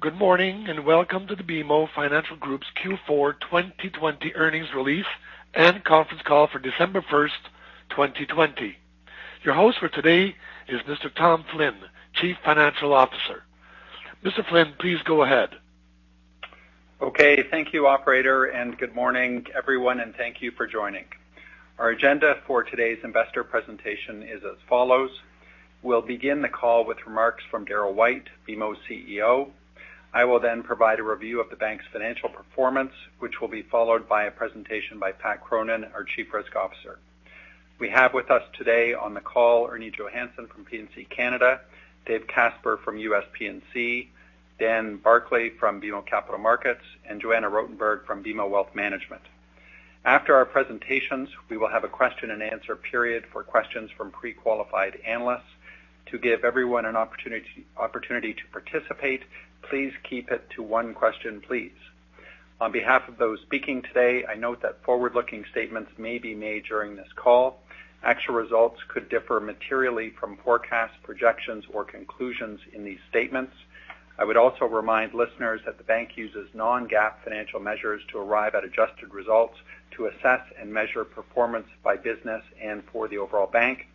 Good morning, and welcome to the BMO Financial Group's Q4 2020 earnings release and conference call for December 1st, 2020. Your host for today is Mr. Tom Flynn, Chief Financial Officer. Mr. Flynn, please go ahead. Okay. Thank you, operator, and good morning, everyone, and thank you for joining. Our agenda for today's investor presentation is as follows. We'll begin the call with remarks from Darryl White, BMO's CEO. I will then provide a review of the bank's financial performance, which will be followed by a presentation by Pat Cronin, our Chief Risk Officer. We have with us today on the call Ernie Johannson from Canadian P&C, Dave Casper from U.S. P&C, Dan Barclay from BMO Capital Markets, and Joanna Rotenberg from BMO Wealth Management. After our presentations, we will have a question-and-answer period for questions from pre-qualified analysts. To give everyone an opportunity to participate, please keep it to one question, please. On behalf of those speaking today, I note that forward-looking statements may be made during this call. Actual results could differ materially from forecasts, projections, or conclusions in these statements. I would also remind listeners that the bank uses non-GAAP financial measures to arrive at adjusted results to assess and measure performance by business and for the overall bank.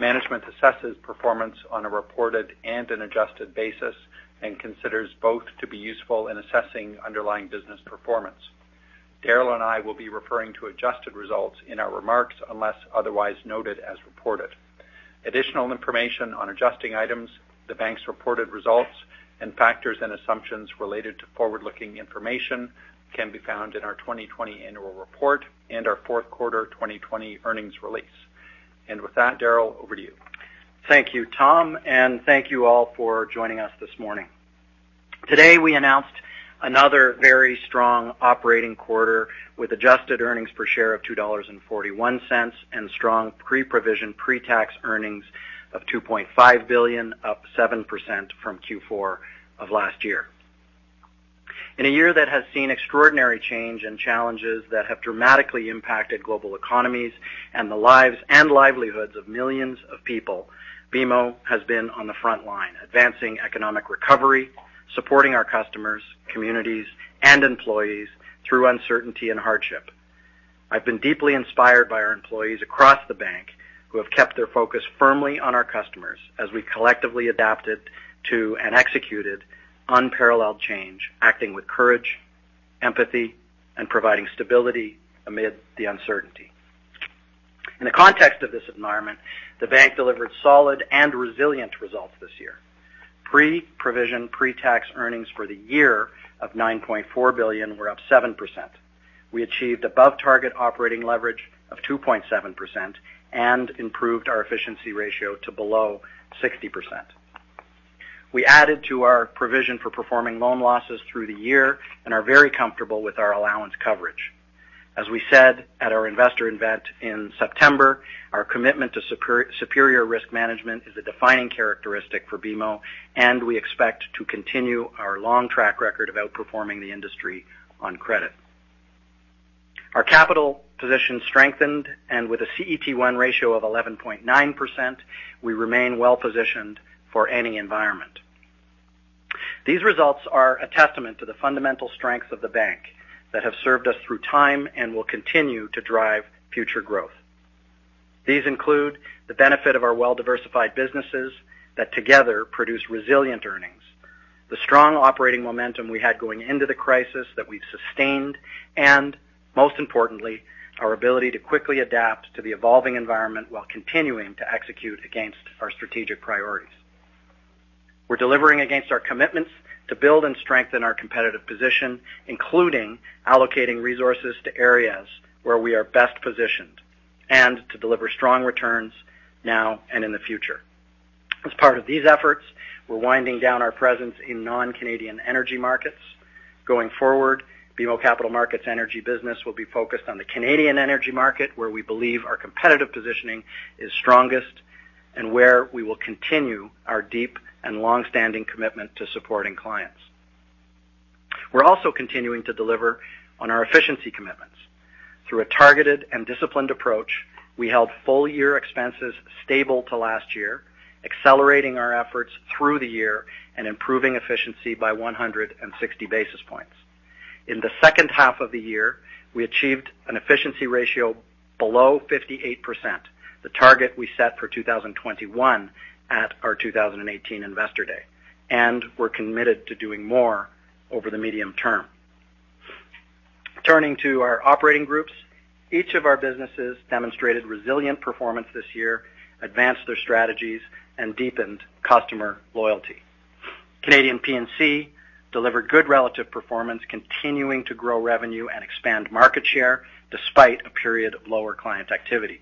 Management assesses performance on a reported and an adjusted basis and considers both to be useful in assessing underlying business performance. Darryl and I will be referring to adjusted results in our remarks unless otherwise noted as reported. Additional information on adjusting items, the bank's reported results, and factors and assumptions related to forward-looking information can be found in our 2020 annual report and our fourth quarter 2020 earnings release. With that, Darryl, over to you. Thank you, Tom, and thank you all for joining us this morning. Today, we announced another very strong operating quarter with adjusted earnings per share of 2.41 dollars and strong pre-provision, pre-tax earnings of 2.5 billion, up 7% from Q4 of last year. In a year that has seen extraordinary change and challenges that have dramatically impacted global economies and the lives and livelihoods of millions of people, BMO has been on the frontline advancing economic recovery, supporting our customers, communities, and employees through uncertainty and hardship. I've been deeply inspired by our employees across the bank who have kept their focus firmly on our customers as we collectively adapted to and executed unparalleled change, acting with courage, empathy, and providing stability amid the uncertainty. In the context of this environment, the bank delivered solid and resilient results this year. Pre-provision, pre-tax earnings for the year of 9.4 billion were up 7%. We achieved above-target operating leverage of 2.7% and improved our efficiency ratio to below 60%. We added to our provision for performing loan losses through the year and are very comfortable with our allowance coverage. As we said at our investor event in September, our commitment to superior risk management is a defining characteristic for BMO, and we expect to continue our long track record of outperforming the industry on credit. Our capital position strengthened, and with a CET1 ratio of 11.9%, we remain well-positioned for any environment. These results are a testament to the fundamental strengths of the bank that have served us through time and will continue to drive future growth. These include the benefit of our well-diversified businesses that together produce resilient earnings, the strong operating momentum we had going into the crisis that we've sustained, and most importantly, our ability to quickly adapt to the evolving environment while continuing to execute against our strategic priorities. We're delivering against our commitments to build and strengthen our competitive position, including allocating resources to areas where we are best positioned and to deliver strong returns now and in the future. As part of these efforts, we're winding down our presence in non-Canadian energy markets. Going forward, BMO Capital Markets energy business will be focused on the Canadian energy market, where we believe our competitive positioning is strongest and where we will continue our deep and long-standing commitment to supporting clients. We're also continuing to deliver on our efficiency commitments. Through a targeted and disciplined approach, we held full-year expenses stable to last year, accelerating our efforts through the year and improving efficiency by 160 basis points. In the second half of the year, we achieved an efficiency ratio below 58%, the target we set for 2021 at our 2018 Investor Day, and we're committed to doing more over the medium term. Turning to our operating groups, each of our businesses demonstrated resilient performance this year, advanced their strategies, and deepened customer loyalty. Canadian P&C delivered good relative performance, continuing to grow revenue and expand market share despite a period of lower client activity.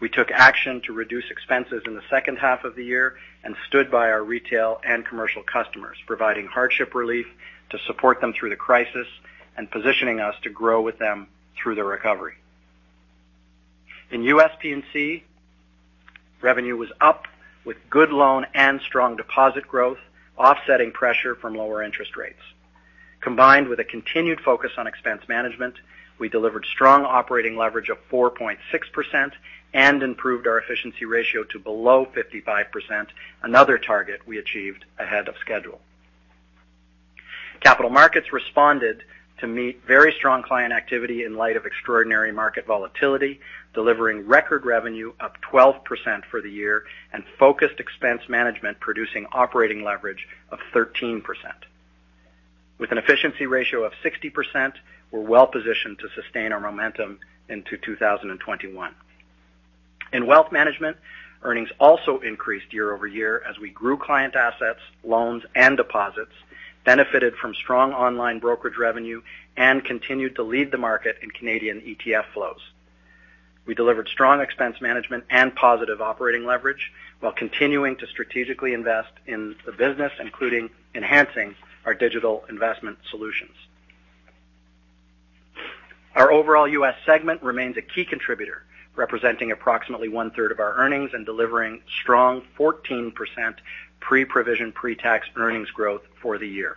We took action to reduce expenses in the second half of the year and stood by our retail and commercial customers, providing hardship relief to support them through the crisis and positioning us to grow with them through the recovery. In U.S. P&C, revenue was up with good loan and strong deposit growth, offsetting pressure from lower interest rates. Combined with a continued focus on expense management, we delivered strong operating leverage of 4.6% and improved our efficiency ratio to below 55%, another target we achieved ahead of schedule. Capital Markets responded to meet very strong client activity in light of extraordinary market volatility, delivering record revenue up 12% for the year, and focused expense management producing operating leverage of 13%. With an efficiency ratio of 60%, we're well-positioned to sustain our momentum into 2021. In Wealth Management, earnings also increased year-over-year as we grew client assets, loans, and deposits, benefited from strong online brokerage revenue, and continued to lead the market in Canadian ETF flows. We delivered strong expense management and positive operating leverage while continuing to strategically invest in the business, including enhancing our digital investment solutions. Our overall U.S. segment remains a key contributor, representing approximately one-third of our earnings and delivering strong 14% pre-provision, pre-tax earnings growth for the year.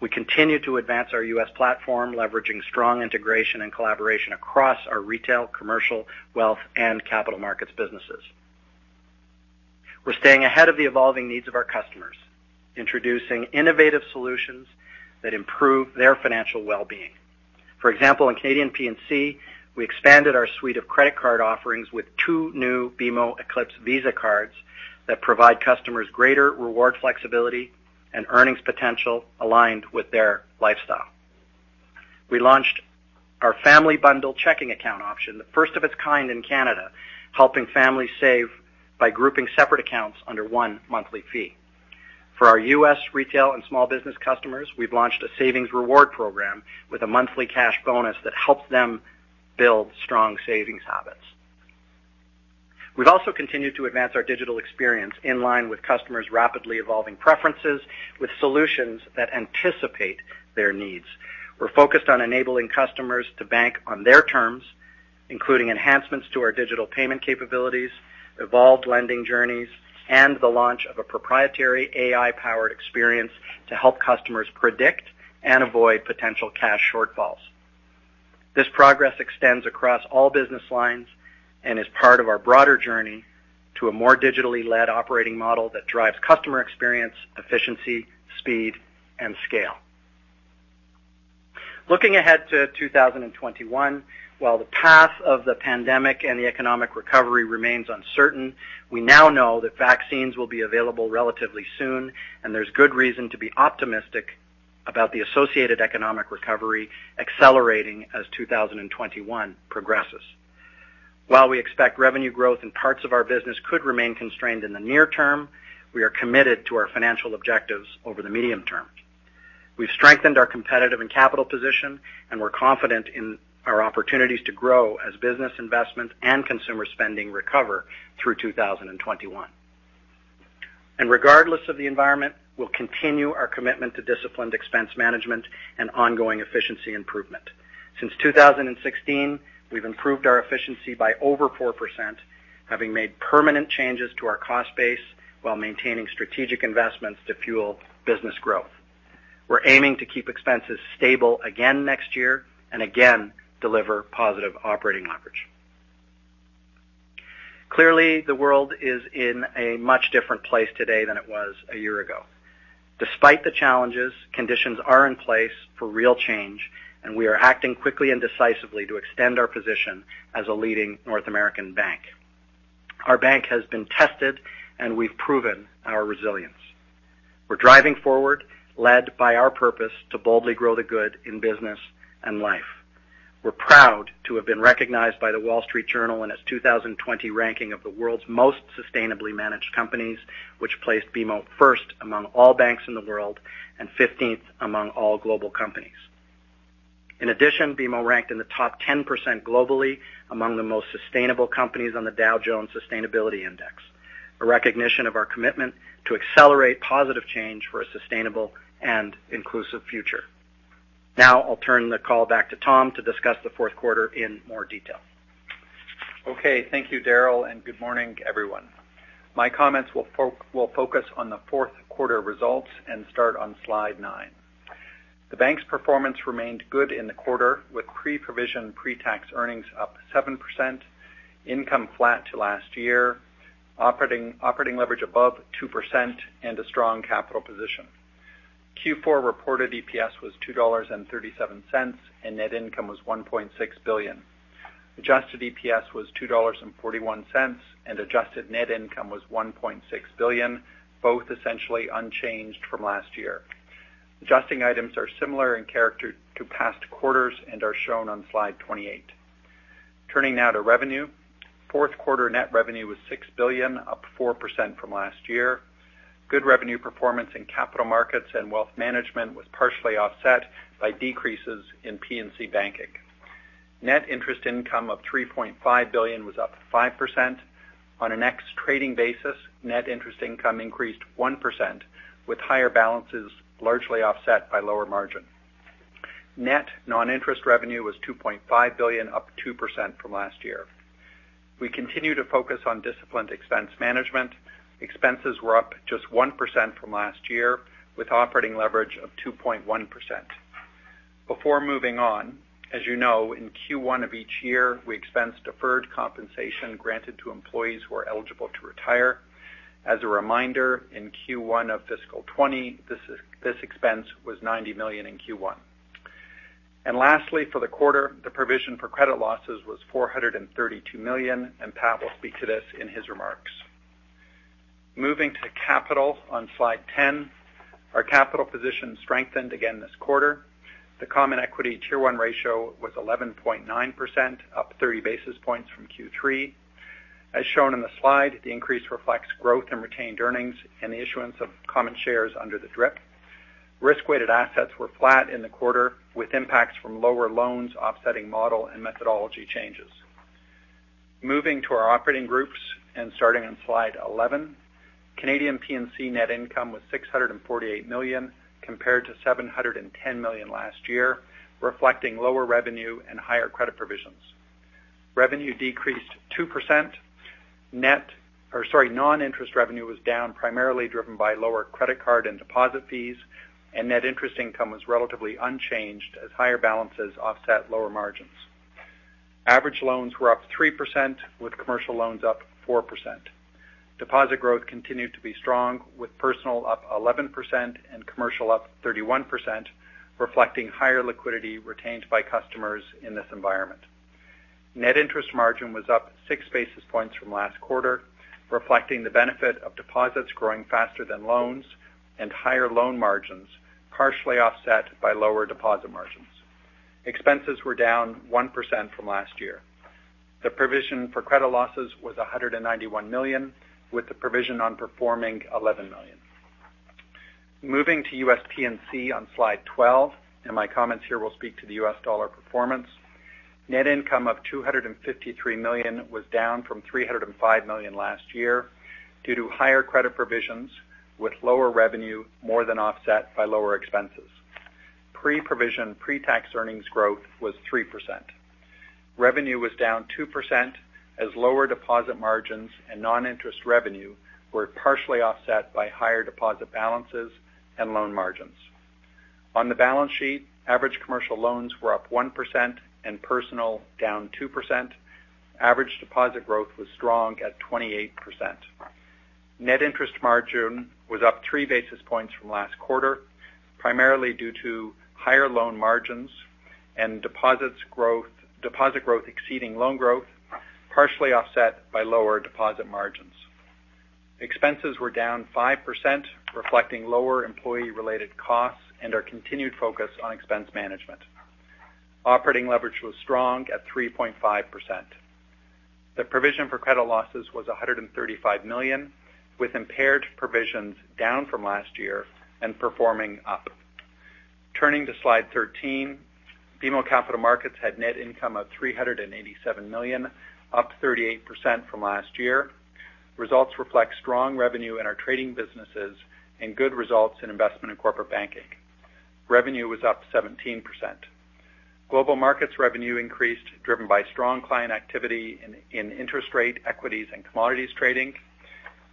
We continue to advance our U.S. platform, leveraging strong integration and collaboration across our retail, commercial, wealth, and capital markets businesses. We're staying ahead of the evolving needs of our customers, introducing innovative solutions that improve their financial well-being. For example, in Canadian P&C, we expanded our suite of credit card offerings with two new BMO eclipse Visa cards that provide customers greater reward flexibility and earnings potential aligned with their lifestyle. We launched our family bundle checking account option, the first of its kind in Canada, helping families save by grouping separate accounts under one monthly fee. For our U.S. retail and small business customers, we've launched a savings reward program with a monthly cash bonus that helps them build strong savings habits. We've also continued to advance our digital experience in line with customers' rapidly evolving preferences with solutions that anticipate their needs. We're focused on enabling customers to bank on their terms, including enhancements to our digital payment capabilities, evolved lending journeys, and the launch of a proprietary AI-powered experience to help customers predict and avoid potential cash shortfalls. This progress extends across all business lines and is part of our broader journey to a more digitally-led operating model that drives customer experience, efficiency, speed, and scale. Looking ahead to 2021, while the path of the pandemic and the economic recovery remains uncertain, we now know that vaccines will be available relatively soon, and there's good reason to be optimistic about the associated economic recovery accelerating as 2021 progresses. While we expect revenue growth in parts of our business could remain constrained in the near term, we are committed to our financial objectives over the medium term. We've strengthened our competitive and capital position, we're confident in our opportunities to grow as business investment and consumer spending recover through 2021. Regardless of the environment, we'll continue our commitment to disciplined expense management and ongoing efficiency improvement. Since 2016, we've improved our efficiency by over 4%, having made permanent changes to our cost base while maintaining strategic investments to fuel business growth. We're aiming to keep expenses stable again next year and again, deliver positive operating leverage. Clearly, the world is in a much different place today than it was a year ago. Despite the challenges, conditions are in place for real change, and we are acting quickly and decisively to extend our position as a leading North American bank. Our bank has been tested, and we've proven our resilience. We're driving forward, led by our purpose to boldly grow the good in business and life. We're proud to have been recognized by The Wall Street Journal in its 2020 ranking of the world's most sustainably managed companies, which placed BMO first among all banks in the world and 15th among all global companies. In addition, BMO ranked in the top 10% globally among the most sustainable companies on the Dow Jones Sustainability Index, a recognition of our commitment to accelerate positive change for a sustainable and inclusive future. Now, I'll turn the call back to Tom to discuss the fourth quarter in more detail. Okay. Thank you, Darryl, and good morning, everyone. My comments will focus on the fourth quarter results and start on slide nine. The bank's performance remained good in the quarter, with pre-provision, pre-tax earnings up 7%, income flat to last year, operating leverage above 2%, and a strong capital position. Q4 reported EPS was 2.37 dollars, and net income was 1.6 billion. Adjusted EPS was 2.41 dollars, and adjusted net income was 1.6 billion, both essentially unchanged from last year. Adjusting items are similar in character to past quarters and are shown on slide 28. Turning now to revenue. Fourth quarter net revenue was 6 billion, up 4% from last year. Good revenue performance in capital markets and wealth management was partially offset by decreases in P&C banking. Net interest income of 3.5 billion was up 5%. On an ex-trading basis, net interest income increased 1%, with higher balances largely offset by lower margins. Net non-interest revenue was 2.5 billion, up 2% from last year. We continue to focus on disciplined expense management. Expenses were up just 1% from last year, with operating leverage of 2.1%. Before moving on, as you know, in Q1 of each year, we expense deferred compensation granted to employees who are eligible to retire. As a reminder, in Q1 of fiscal 2020, this expense was 90 million in Q1. Lastly, for the quarter, the provision for credit losses was 432 million, and Pat will speak to this in his remarks. Moving to capital on slide 10. Our capital position strengthened again this quarter. The CET1 ratio was 11.9%, up 30 basis points from Q3. As shown in the slide, the increase reflects growth in retained earnings and the issuance of common shares under the DRIP. Risk-weighted assets were flat in the quarter, with impacts from lower loans offsetting model and methodology changes. Moving to our operating groups and starting on slide 11. Canadian P&C net income was 648 million, compared to 710 million last year, reflecting lower revenue and higher credit provisions. Revenue decreased 2%. Non-interest revenue was down, primarily driven by lower credit card and deposit fees, and net interest income was relatively unchanged as higher balances offset lower margins. Average loans were up 3%, with commercial loans up 4%. Deposit growth continued to be strong, with personal up 11% and commercial up 31%, reflecting higher liquidity retained by customers in this environment. Net interest margin was up 6 basis points from last quarter, reflecting the benefit of deposits growing faster than loans and higher loan margins, partially offset by lower deposit margins. Expenses were down 1% from last year. The provision for credit losses was 191 million, with the provision on performing 11 million. Moving to U.S. P&C on slide 12, my comments here will speak to the U.S. dollar performance. Net income of 253 million was down from 305 million last year due to higher credit provisions, with lower revenue more than offset by lower expenses. Pre-provision, pre-tax earnings growth was 3%. Revenue was down 2%, as lower deposit margins and non-interest revenue were partially offset by higher deposit balances and loan margins. On the balance sheet, average commercial loans were up 1% and personal down 2%. Average deposit growth was strong at 28%. Net interest margin was up three basis points from last quarter, primarily due to higher loan margins and deposit growth exceeding loan growth, partially offset by lower deposit margins. Expenses were down 5%, reflecting lower employee-related costs and our continued focus on expense management. Operating leverage was strong at 3.5%. The provision for credit losses was 135 million, with impaired provisions down from last year and performing up. Turning to slide 13. BMO Capital Markets had net income of 387 million, up 38% from last year. Results reflect strong revenue in our trading businesses and good results in investment and corporate banking. Revenue was up 17%. Global markets revenue increased, driven by strong client activity in interest rate equities and commodities trading.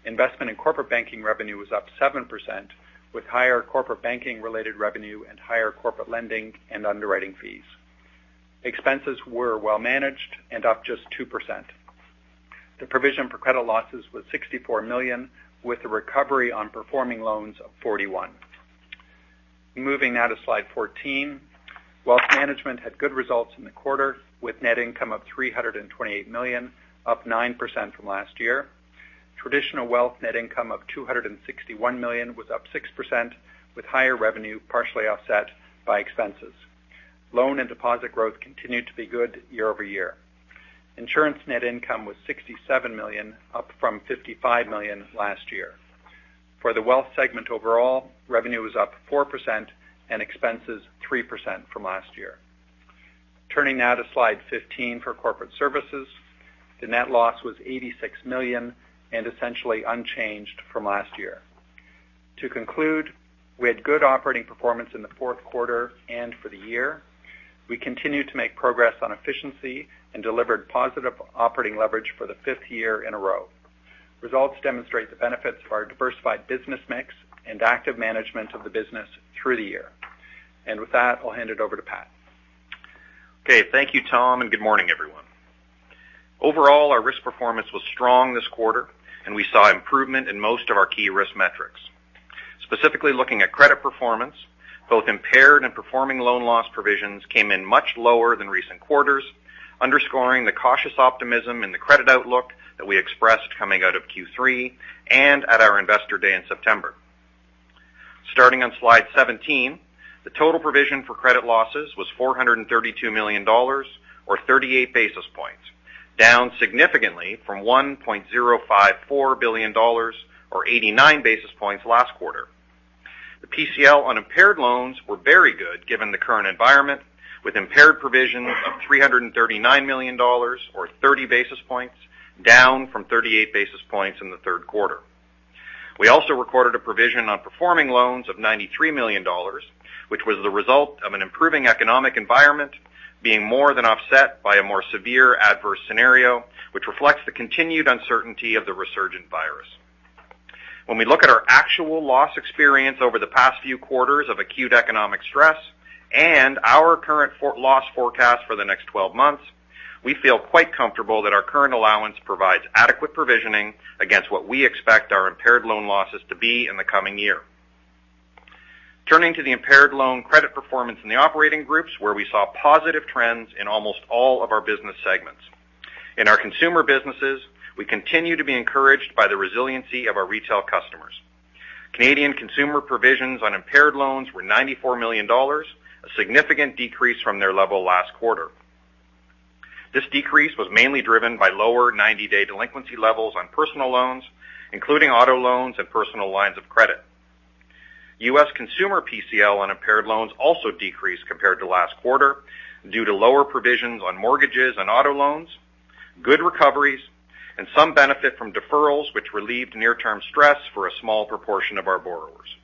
Investment and Corporate banking revenue was up 7%, with higher corporate banking-related revenue and higher corporate lending and underwriting fees. Expenses were well managed and up just 2%. The provision for credit losses was 64 million, with a recovery on performing loans of 41. Moving now to slide 14. BMO Wealth Management had good results in the quarter, with net income of 328 million, up 9% from last year. Traditional wealth net income of 261 million was up 6%, with higher revenue partially offset by expenses. Loan and deposit growth continued to be good year-over-year. BMO Insurance net income was 67 million, up from 55 million last year. For the wealth segment overall, revenue was up 4% and expenses 3% from last year. Turning now to slide 15 for Corporate Services. The net loss was 86 million and essentially unchanged from last year. To conclude, we had good operating performance in the fourth quarter and for the year. We continued to make progress on efficiency and delivered positive operating leverage for the fifth year in a row. Results demonstrate the benefits of our diversified business mix and active management of the business through the year. With that, I'll hand it over to Pat. Okay. Thank you, Tom, and good morning, everyone. Overall, our risk performance was strong this quarter and we saw improvement in most of our key risk metrics. Specifically looking at credit performance, both impaired and performing loan loss provisions came in much lower than recent quarters, underscoring the cautious optimism in the credit outlook that we expressed coming out of Q3 and at our investor day in September. Starting on slide 17, the total provision for credit losses was 432 million dollars or 38 basis points, down significantly from 1.054 billion dollars or 89 basis points last quarter. The PCL on impaired loans were very good given the current environment, with impaired provisions of 339 million dollars or 30 basis points, down from 38 basis points in the third quarter. We also recorded a provision on performing loans of 93 million dollars, which was the result of an improving economic environment being more than offset by a more severe adverse scenario, which reflects the continued uncertainty of the resurgent virus. When we look at our actual loss experience over the past few quarters of acute economic stress and our current loss forecast for the next 12 months, we feel quite comfortable that our current allowance provides adequate provisioning against what we expect our impaired loan losses to be in the coming year. Turning to the impaired loan credit performance in the operating groups where we saw positive trends in almost all of our business segments. In our consumer businesses, we continue to be encouraged by the resiliency of our retail customers. Canadian consumer provisions on impaired loans were 94 million dollars, a significant decrease from their level last quarter. This decrease was mainly driven by lower 90-day delinquency levels on personal loans, including auto loans and personal lines of credit. U.S. consumer PCL on impaired loans also decreased compared to last quarter due to lower provisions on mortgages and auto loans, good recoveries, and some benefit from deferrals which relieved near-term stress for a small proportion of our borrowers.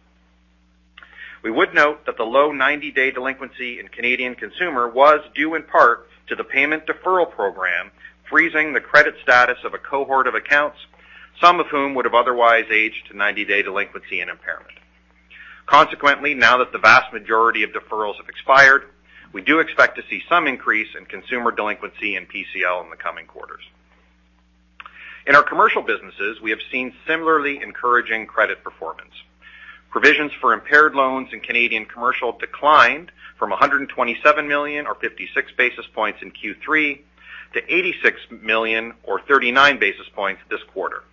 We would note that the low 90-day delinquency in Canadian consumer was due in part to the payment deferral program, freezing the credit status of a cohort of accounts, some of whom would have otherwise aged to 90-day delinquency and impairment. Consequently, now that the vast majority of deferrals have expired, we do expect to see some increase in consumer delinquency and PCL in the coming quarters. In our commercial businesses, we have seen similarly encouraging credit performance. Provisions for impaired loans in Canadian Commercial declined from 127 million or 56 basis points in Q3 to 86 million or 39 basis points this quarter.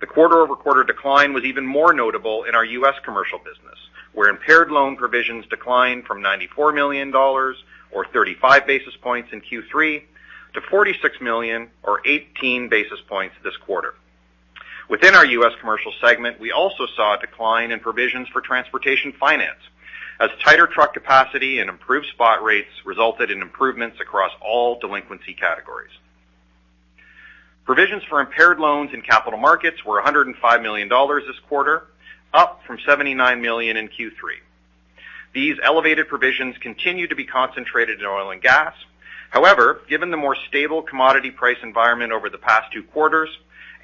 The quarter-over-quarter decline was even more notable in our U.S. Commercial business, where impaired loan provisions declined from 94 million dollars or 35 basis points in Q3 to 46 million or 18 basis points this quarter. Within our U.S. Commercial segment, we also saw a decline in provisions for transportation finance as tighter truck capacity and improved spot rates resulted in improvements across all delinquency categories. Provisions for impaired loans in Capital Markets were 105 million dollars this quarter, up from 79 million in Q3. These elevated provisions continue to be concentrated in oil and gas. Given the more stable commodity price environment over the past two quarters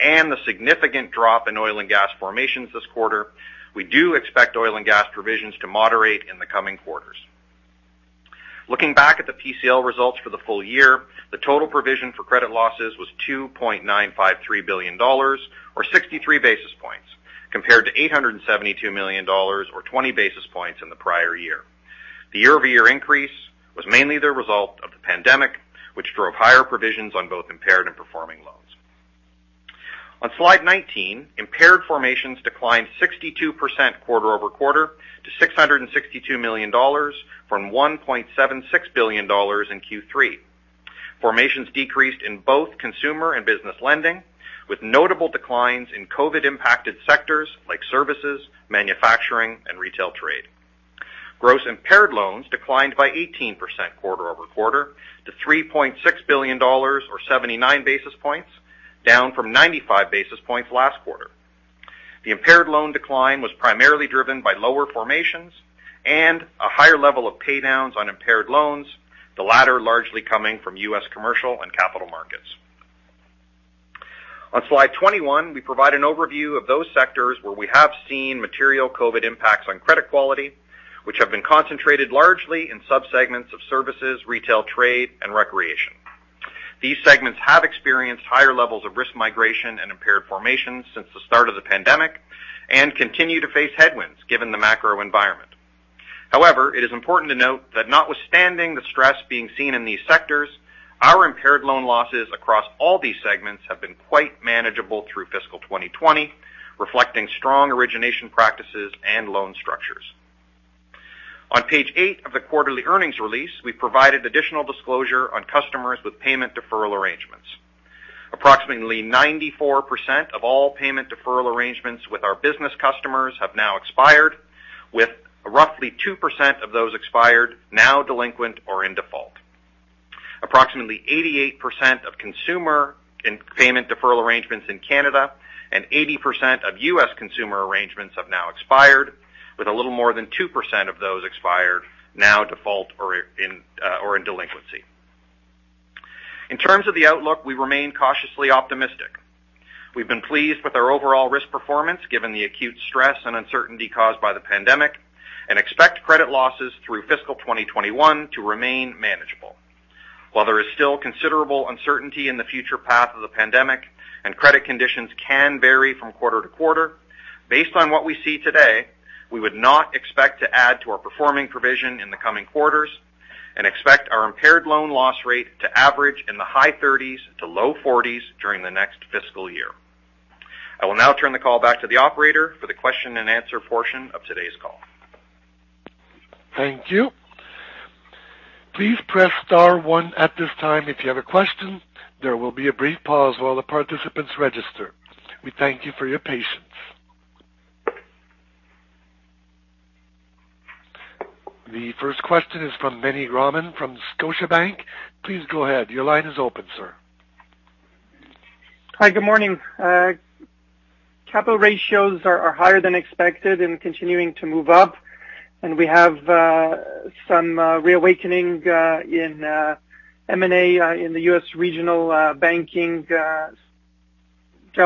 and the significant drop in oil and gas formations this quarter, we do expect oil and gas provisions to moderate in the coming quarters. Looking back at the PCL results for the full year, the total provision for credit losses was 2.953 billion dollars or 63 basis points compared to 872 million dollars or 20 basis points in the prior year. The year-over-year increase was mainly the result of the pandemic, which drove higher provisions on both impaired and performing loans. On slide 19, impaired formations declined 62% quarter-over-quarter to 662 million dollars from 1.76 billion dollars in Q3. Formations decreased in both consumer and business lending, with notable declines in COVID-impacted sectors like services, manufacturing, and retail trade. Gross impaired loans declined by 18% quarter-over-quarter to 3.6 billion dollars or 79 basis points, down from 95 basis points last quarter. The impaired loan decline was primarily driven by lower formations and a higher level of paydowns on impaired loans, the latter largely coming from U.S. commercial and capital markets. On slide 21, we provide an overview of those sectors where we have seen material COVID impacts on credit quality, which have been concentrated largely in subsegments of services, retail trade and recreation. These segments have experienced higher levels of risk migration and impaired formation since the start of the pandemic and continue to face headwinds given the macro environment. However, it is important to note that notwithstanding the stress being seen in these sectors, our impaired loan losses across all these segments have been quite manageable through fiscal 2020, reflecting strong origination practices and loan structures. On page eight of the quarterly earnings release, we provided additional disclosure on customers with payment deferral arrangements. Approximately 94% of all payment deferral arrangements with our business customers have now expired, with roughly 2% of those expired now delinquent or in default. Approximately 88% of consumer and payment deferral arrangements in Canada and 80% of U.S. consumer arrangements have now expired, with a little more than 2% of those expired now default or in delinquency. In terms of the outlook, we remain cautiously optimistic. We've been pleased with our overall risk performance given the acute stress and uncertainty caused by the pandemic, and expect credit losses through fiscal 2021 to remain manageable. While there is still considerable uncertainty in the future path of the pandemic and credit conditions can vary from quarter to quarter, based on what we see today, we would not expect to add to our performing provision in the coming quarters and expect our impaired loan loss rate to average in the high 30s%-low 40s% during the next fiscal year. I will now turn the call back to the operator for the question-and-answer portion of today's call. Thank you. Please press star one at this time if you have a question. There will be a brief pause while the participants register. We thank you for your patience. The first question is from Meny Grauman from Scotiabank. Please go ahead. Your line is open, sir. Hi, good morning. Capital ratios are higher than expected and continuing to move up. We have some reawakening in M&A in the U.S. regional banking. Darryl,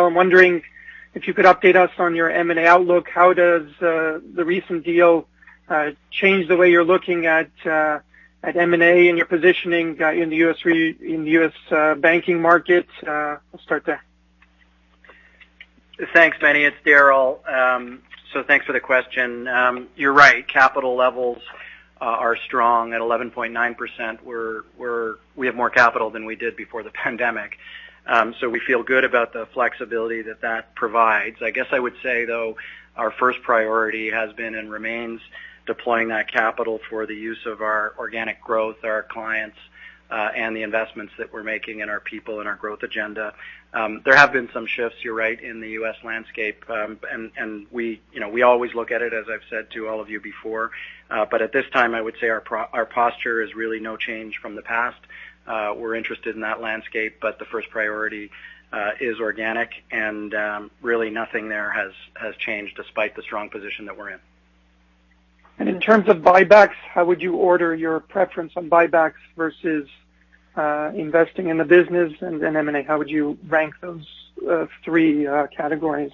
I'm wondering if you could update us on your M&A outlook. How does the recent deal change the way you're looking at M&A and your positioning in the U.S. banking markets? I'll start there. Thanks, Meny. It's Darryl. Thanks for the question. You're right, capital levels are strong at 11.9%. We have more capital than we did before the pandemic. We feel good about the flexibility that that provides. I guess I would say, though, our first priority has been and remains deploying that capital for the use of our organic growth, our clients, and the investments that we're making in our people and our growth agenda. There have been some shifts, you're right, in the U.S. landscape. We always look at it, as I've said to all of you before. At this time, I would say our posture is really no change from the past. We're interested in that landscape, the first priority is organic, really nothing there has changed despite the strong position that we're in. In terms of buybacks, how would you order your preference on buybacks versus investing in the business and M&A? How would you rank those three categories?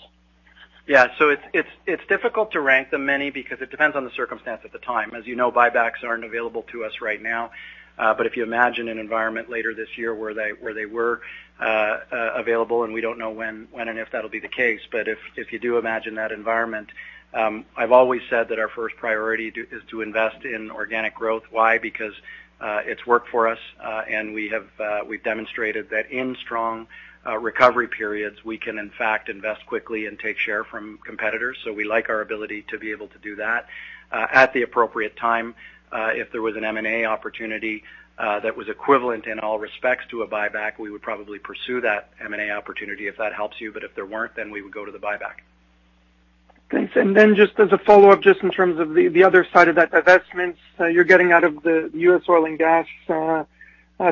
Yeah. It's difficult to rank them, Meny, because it depends on the circumstance at the time. As you know, buybacks aren't available to us right now. If you imagine an environment later this year where they were available, and we don't know when and if that'll be the case. If you do imagine that environment, I've always said that our first priority is to invest in organic growth. Why? Because it's worked for us, and we've demonstrated that in strong recovery periods, we can in fact invest quickly and take share from competitors. We like our ability to be able to do that. At the appropriate time, if there was an M&A opportunity that was equivalent in all respects to a buyback, we would probably pursue that M&A opportunity, if that helps you. If there weren't, then we would go to the buyback. Thanks. Then just as a follow-up, just in terms of the other side of that, divestments you're getting out of the U.S. oil and gas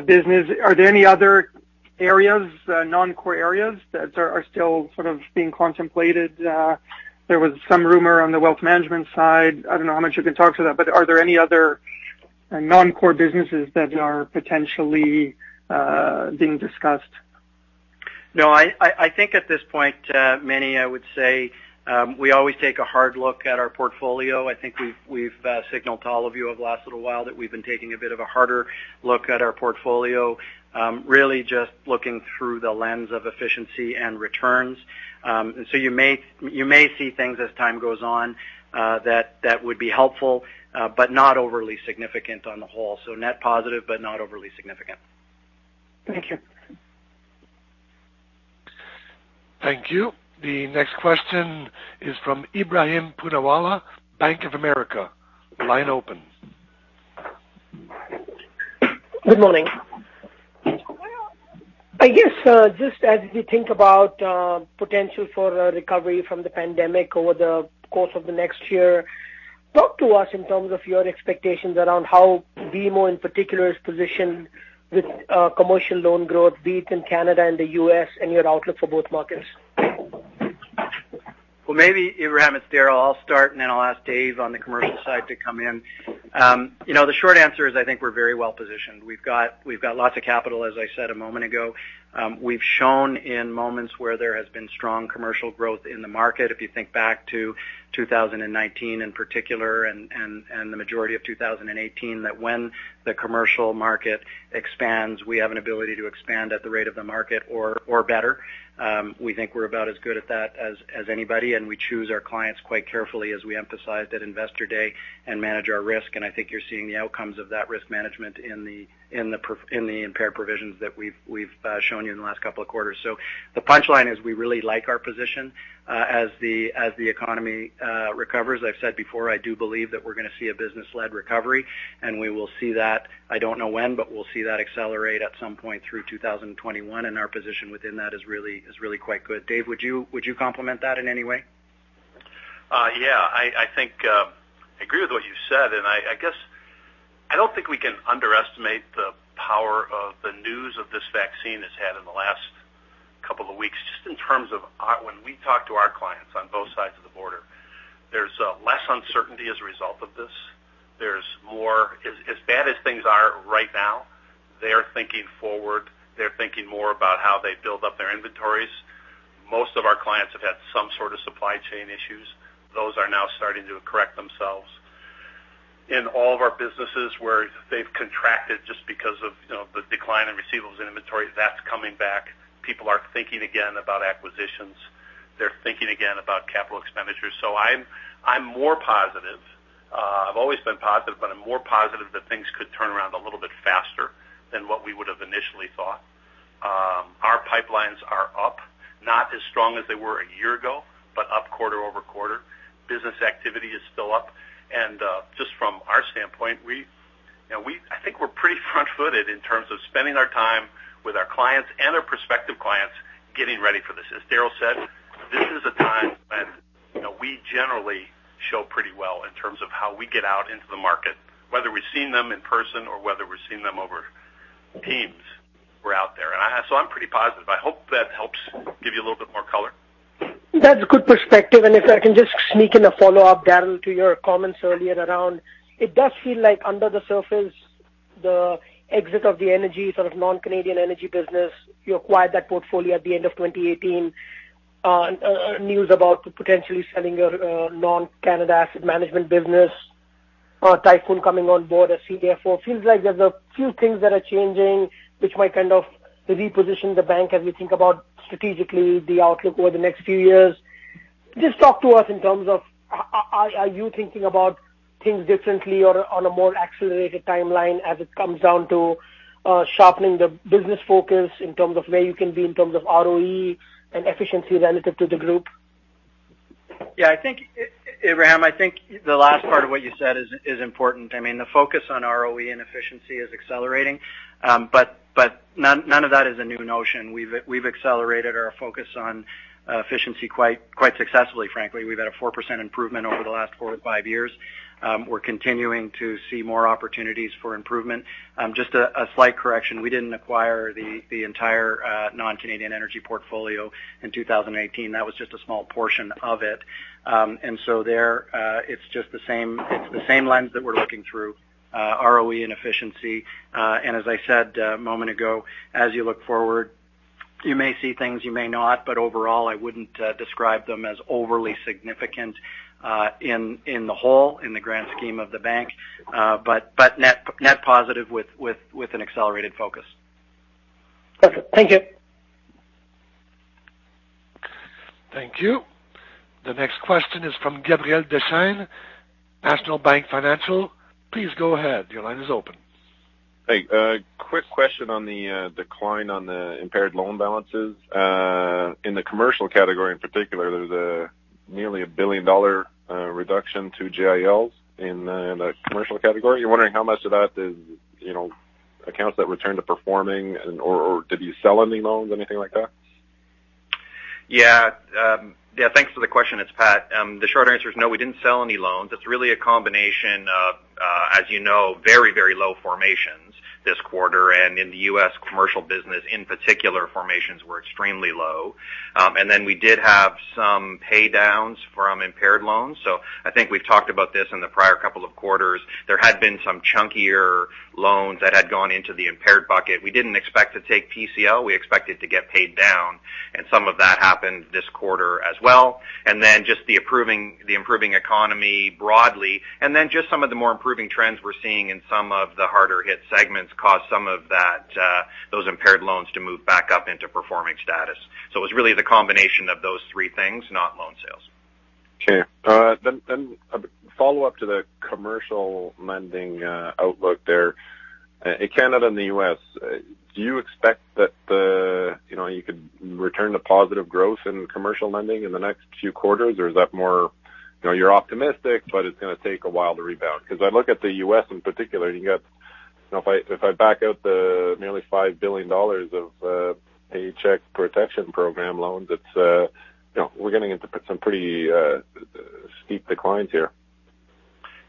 business. Are there any other areas, non-core areas that are still sort of being contemplated? There was some rumor on the Wealth Management side. I don't know how much you can talk to that, but are there any other non-core businesses that are potentially being discussed? No, I think at this point, Meny, I would say we always take a hard look at our portfolio. I think we've signaled to all of you over the last little while that we've been taking a bit of a harder look at our portfolio, really just looking through the lens of efficiency and returns. You may see things as time goes on that would be helpful, but not overly significant on the whole. Net positive, but not overly significant. Thank you. Thank you. The next question is from Ebrahim Poonawala, Bank of America. Good morning. I guess, just as you think about potential for a recovery from the pandemic over the course of the next year, talk to us in terms of your expectations around how BMO in particular is positioned with commercial loan growth, be it in Canada and the U.S., and your outlook for both markets. Ebrahim, it's Darryl. I'll start and then I'll ask Dave on the commercial side to come in. The short answer is, I think we're very well-positioned. We've got lots of capital, as I said a moment ago. We've shown in moments where there has been strong commercial growth in the market, if you think back to 2019 in particular and the majority of 2018, that when the commercial market expands, we have an ability to expand at the rate of the market or better. We think we're about as good at that as anybody, and we choose our clients quite carefully as we emphasized at Investor Day and manage our risk. I think you're seeing the outcomes of that risk management in the impaired provisions that we've shown you in the last couple of quarters. The punchline is we really like our position as the economy recovers. I've said before, I do believe that we're going to see a business-led recovery. We will see that. I don't know when, but we'll see that accelerate at some point through 2021. Our position within that is really quite good. Dave, would you complement that in any way? Yeah. I think I agree with what you said, and I guess I don't think we can underestimate the power of the news of this vaccine has had in the last couple of weeks, just in terms of when we talk to our clients on both sides of the border. There's less uncertainty as a result of this. As bad as things are right now, they're thinking forward. They're thinking more about how they build up their inventories. Most of our clients have had some sort of supply chain issues. Those are now starting to correct themselves. In all of our businesses where they've contracted just because of the decline in receivables and inventory, that's coming back. People are thinking again about acquisitions. They're thinking again about capital expenditures. I'm more positive. I've always been positive, but I'm more positive that things could turn around a little bit faster than what we would have initially thought. Our pipelines are up, not as strong as they were a year ago, but up quarter-over-quarter. Business activity is still up. Just from our standpoint, I think we're pretty front-footed in terms of spending our time with our clients and our prospective clients getting ready for this. As Darryl said. We generally show pretty well in terms of how we get out into the market, whether we're seeing them in person or whether we're seeing them over Teams, we're out there. I'm pretty positive. I hope that helps give you a little bit more color. That's a good perspective. If I can just sneak in a follow-up, Darryl, to your comments earlier around, it does feel like under the surface, the exit of the energy, sort of non-Canadian energy business, you acquired that portfolio at the end of 2018, news about potentially selling your non-Canada asset management business, Tayfun coming on board as CFO. Feels like there's a few things that are changing, which might kind of reposition the bank as we think about strategically the outlook over the next few years. Just talk to us in terms of, are you thinking about things differently or on a more accelerated timeline as it comes down to sharpening the business focus in terms of where you can be in terms of ROE and efficiency relative to the group? Yeah, Ebrahim, I think the last part of what you said is important. I mean, the focus on ROE and efficiency is accelerating. None of that is a new notion. We've accelerated our focus on efficiency quite successfully, frankly. We've had a 4% improvement over the last four to five years. We're continuing to see more opportunities for improvement. Just a slight correction, we didn't acquire the entire non-Canadian energy portfolio in 2018. That was just a small portion of it. There, it's the same lens that we're looking through, ROE and efficiency. As I said a moment ago, as you look forward, you may see things you may not, but overall, I wouldn't describe them as overly significant in the whole, in the grand scheme of the bank. Net positive with an accelerated focus. Perfect. Thank you. Thank you. The next question is from Gabriel Dechaine, National Bank Financial. Please go ahead. Your line is open. Hey. Quick question on the decline on the impaired loan balances. In the commercial category in particular, there's nearly 1 billion dollar reduction to GILs in the commercial category. You're wondering how much of that is accounts that return to performing or did you sell any loans, anything like that? Thanks for the question. It's Pat. The short answer is no, we didn't sell any loans. It's really a combination of, as you know, very low formations this quarter. In the U.S. commercial business, in particular, formations were extremely low. We did have some pay downs from impaired loans. I think we've talked about this in the prior couple of quarters. There had been some chunkier loans that had gone into the impaired bucket. We didn't expect to take PCL. We expected to get paid down, and some of that happened this quarter as well. Just the improving economy broadly, and then just some of the more improving trends we're seeing in some of the harder hit segments caused some of those impaired loans to move back up into performing status. It was really the combination of those three things, not loan sales. Okay. A follow-up to the commercial lending outlook there. In Canada and the U.S., do you expect that you could return to positive growth in commercial lending in the next few quarters? Is that more you're optimistic, but it's going to take a while to rebound? I look at the U.S. in particular, and if I back out the nearly 5 billion dollars of Paycheck Protection Program loans, we're getting into some pretty steep declines here.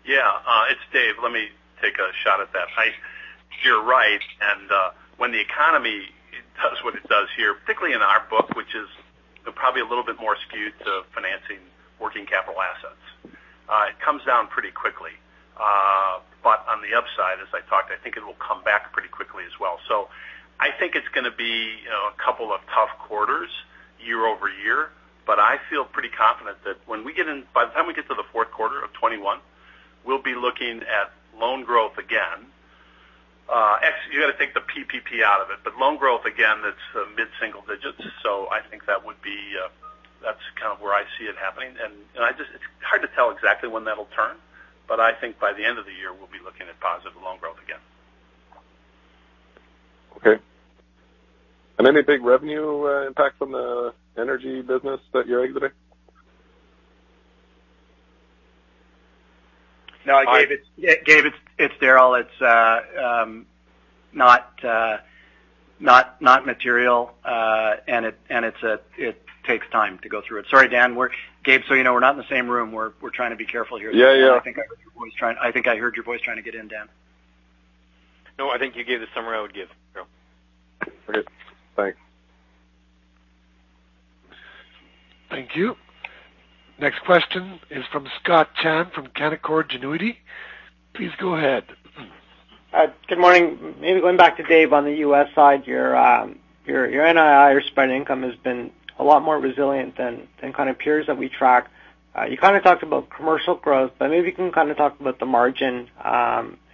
Yeah. It's Dave. Let me take a shot at that. You're right. When the economy does what it does here, particularly in our book, which is probably a little bit more skewed to financing working capital assets it comes down pretty quickly. On the upside, as I talked, I think it'll come back pretty quickly as well. I think it's going to be a couple of tough quarters year-over-year, but I feel pretty confident that by the time we get to the fourth quarter of 2021, we'll be looking at loan growth again. You got to take the PPP out of it, but loan growth, again, that's mid-single digits. I think that's kind of where I see it happening. It's hard to tell exactly when that'll turn, but I think by the end of the year, we'll be looking at positive loan growth again. Okay. Any big revenue impact on the energy business that you're exiting? No. Gabe, it's Darryl. It's not material, and it takes time to go through it. Sorry, Dan. Gabe, you know we're not in the same room. We're trying to be careful here. Yeah. I think I heard your voice trying to get in, Dan. No, I think you gave the summary I would give. Okay. Bye. Thank you. Next question is from Scott Chan from Canaccord Genuity. Please go ahead. Good morning. Maybe going back to Dave on the U.S. side, your NII, your spread income has been a lot more resilient than kind of peers that we track. You kind of talked about commercial growth, but maybe you can kind of talk about the margin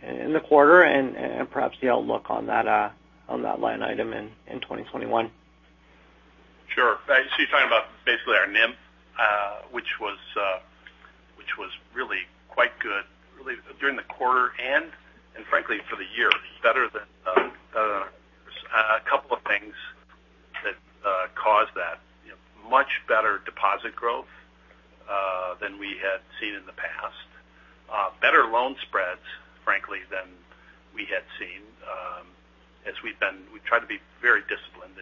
in the quarter and perhaps the outlook on that line item in 2021. Sure. You're talking about basically our NIM, which was really quite good during the quarter and frankly for the year. A couple of things that caused that. Much better deposit growth than we had seen in the past. We try to be very disciplined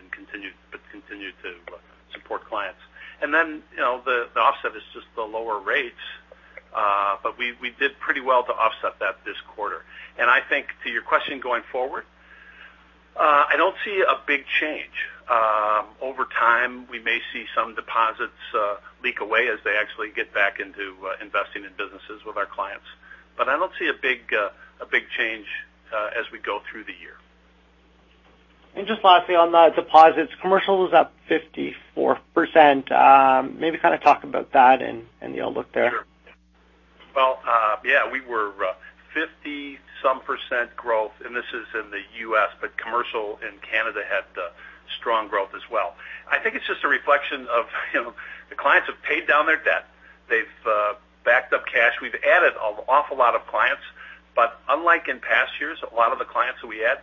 but continue to support clients. The offset is just the lower rates. We did pretty well to offset that this quarter. I think to your question going forward, I don't see a big change. Over time, we may see some deposits leak away as they actually get back into investing in businesses with our clients. I don't see a big change as we go through the year. Just lastly on the deposits, commercial was up 54%. Maybe kind of talk about that and your outlook there. Sure. Well, yeah, we were 50 some percent growth, and this is in the U.S., but commercial in Canada had strong growth as well. I think it's just a reflection of the clients have paid down their debt. They've backed up cash. We've added an awful lot of clients, but unlike in past years, a lot of the clients that we add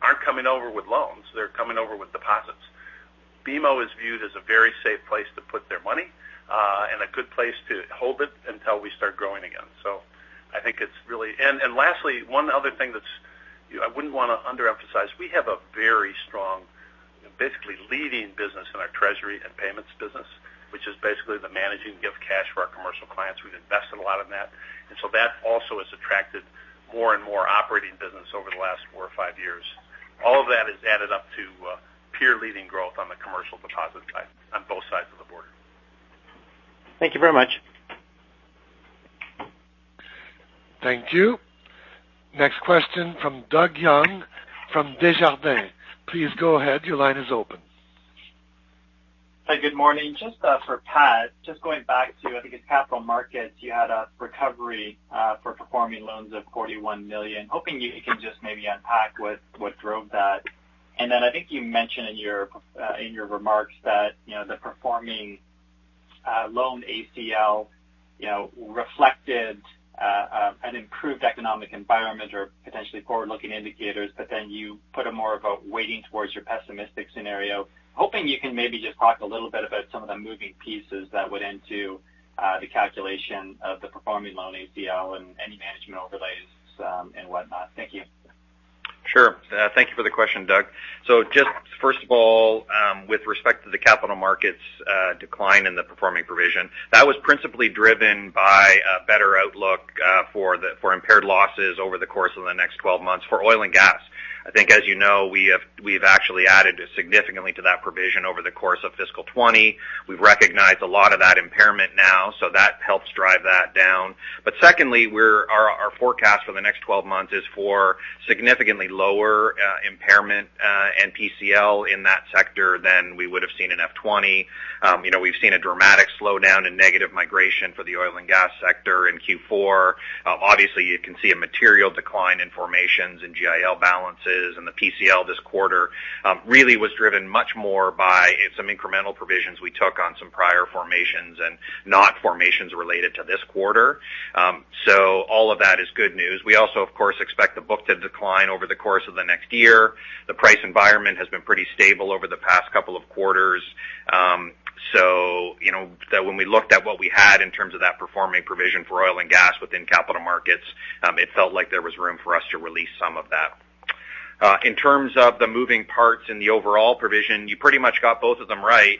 aren't coming over with loans. They're coming over with deposits. BMO is viewed as a very safe place to put their money, and a good place to hold it until we start growing again. Lastly, one other thing that I wouldn't want to under-emphasize, we have a very strong, basically leading business in our treasury and payments business, which is basically the managing of cash for our commercial clients. We've invested a lot in that. That also has attracted more and more operating business over the last four or five years. All of that has added up to peer-leading growth on the commercial deposit side on both sides of the border. Thank you very much. Thank you. Next question from Doug Young from Desjardins. Please go ahead. Your line is open. Hi, good morning. Just for Pat, going back to, I think it's BMO Capital Markets. You had a recovery for performing loans of 41 million. Hoping you can just maybe unpack what drove that. I think you mentioned in your remarks that the performing loan ACL reflected an improved economic environment or potentially forward-looking indicators, you put a more of a weighting towards your pessimistic scenario. Hoping you can maybe just talk a little bit about some of the moving pieces that went into the calculation of the performing loan ACL and any management overlays and whatnot. Thank you. Sure. Thank you for the question, Doug. Just first of all, with respect to the capital markets decline in the performing provision, that was principally driven by a better outlook for impaired losses over the course of the next 12 months for oil and gas. I think, as you know, we've actually added significantly to that provision over the course of fiscal 2020. We've recognized a lot of that impairment now, so that helps drive that down. Secondly, our forecast for the next 12 months is for significantly lower impairment and PCL in that sector than we would've seen in F20. We've seen a dramatic slowdown in negative migration for the oil and gas sector in Q4. Obviously, you can see a material decline in formations and GIL balances. The PCL this quarter really was driven much more by some incremental provisions we took on some prior formations and not formations related to this quarter. All of that is good news. We also, of course, expect the book to decline over the course of the next year. The price environment has been pretty stable over the past couple of quarters. When we looked at what we had in terms of that performing provision for oil and gas within Capital Markets, it felt like there was room for us to release some of that. In terms of the moving parts in the overall provision, you pretty much got both of them right.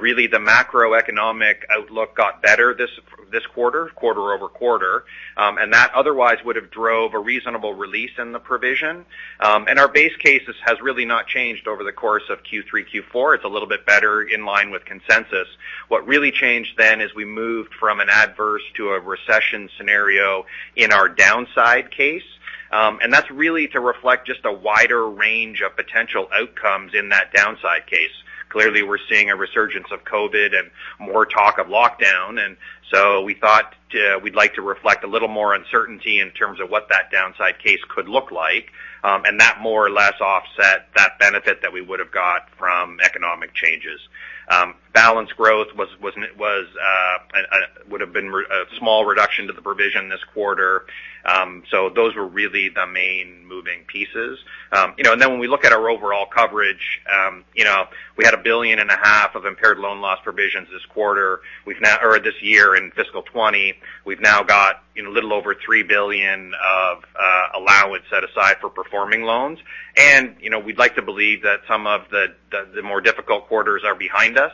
Really the macroeconomic outlook got better this quarter-over-quarter. That otherwise would've drove a reasonable release in the provision. Our base case has really not changed over the course of Q3, Q4. It's a little bit better in line with consensus. What really changed then is we moved from an adverse to a recession scenario in our downside case. That's really to reflect just a wider range of potential outcomes in that downside case. Clearly, we're seeing a resurgence of COVID and more talk of lockdown, so we thought we'd like to reflect a little more uncertainty in terms of what that downside case could look like. That more or less offset that benefit that we would've got from economic changes. Balance growth would've been a small reduction to the provision this quarter. Those were really the main moving pieces. When we look at our overall coverage, we had 1.5 billion of impaired loan loss provisions this quarter or this year in fiscal 2020. We've now got a little over 3 billion of allowance set aside for performing loans. We'd like to believe that some of the more difficult quarters are behind us.